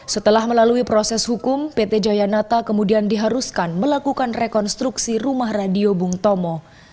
setelah melalui proses hukum pt jayanata kemudian diharuskan melakukan rekonstruksi rumah radio bung tomo